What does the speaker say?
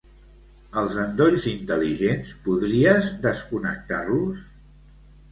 Els endolls intel·ligents, podries desconnectar-los?